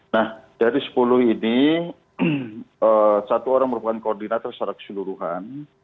nah dari sepuluh ini satu orang merupakan koordinator secara keseluruhan